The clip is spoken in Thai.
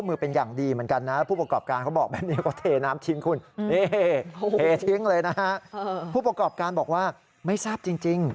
ไม่ทราบจริง